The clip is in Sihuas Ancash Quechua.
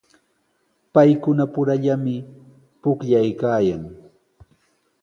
Paykunapurallami pukllaykaayan.